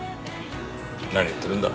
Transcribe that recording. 何を言ってるんだ。